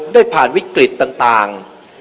ได้ผ่านวิกฤตต่าง